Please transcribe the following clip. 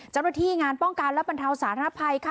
เจ้าหน้าที่งานป้องกันและบรรเทาสาธารณภัยค่ะ